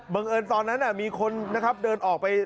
เบื้องเอิญตอนนั้นมีคนเดินออกไป